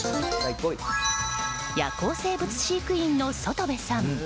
夜行生物飼育員の外部さん。